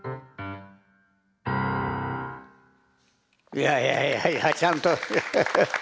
いやいやいやいやちゃんとハハハ。